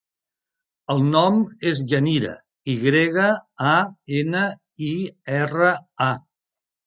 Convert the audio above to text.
El nom és Yanira: i grega, a, ena, i, erra, a.